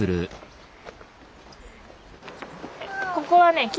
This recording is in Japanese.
ここはね